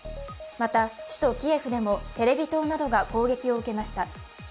また、首都キエフでもテレビ塔などが攻撃を受けました。